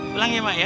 pulang ya mak ya